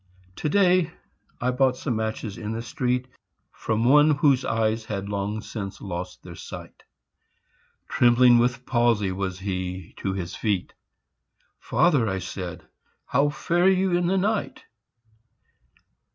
To day I bought some matches in the street From one whose eyes had long since lost their sight. Trembling with palsy was he to his feet. "Father," I said, "how fare you in the night?"